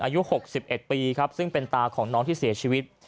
อายุ๖๑ปีครับซึ่งเป็นตาของน้องที่เสียชีวิต